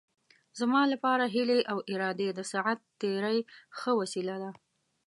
زما لپاره هیلې او ارادې د ساعت تېرۍ ښه وسیله ده.